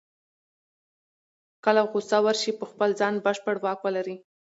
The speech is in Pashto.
کله غوسه ورشي په خپل ځان بشپړ واک ولري.